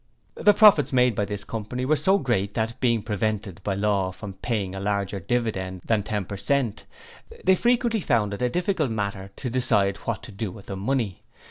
The profits made by this Company were so great that, being prevented by law from paying a larger dividend than ten percent, they frequently found it a difficult matter to decide what to do with the money.